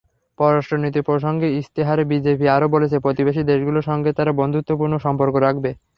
পররাষ্ট্রনীতি প্রসঙ্গে ইশতেহারে বিজেপি আরও বলেছে, প্রতিবেশী দেশগুলোর সঙ্গে তারা বন্ধুত্বপূর্ণ সম্পর্ক রাখবে।